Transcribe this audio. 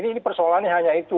ini persoalannya hanya itu